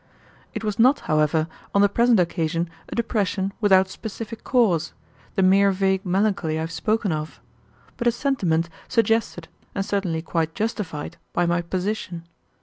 It was not, however, on the present occasion a depression without specific cause, the mere vague melancholy I have spoken of, but a sentiment suggested and certainly quite justified by my position.